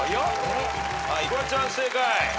フワちゃん正解。